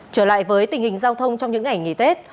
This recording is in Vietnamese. trở lại với tình hình giao thông trong những ngày nghỉ tết